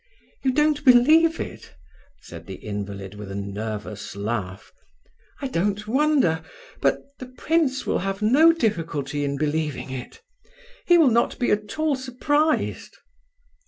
"You don't believe it?" said the invalid, with a nervous laugh. "I don't wonder, but the prince will have no difficulty in believing it; he will not be at all surprised."